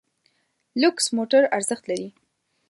لوکس موټر ارزښت لري.